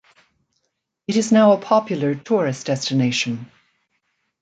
It is now a popular tourist destination.